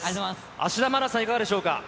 芦田愛菜さん、いかがでしょうか。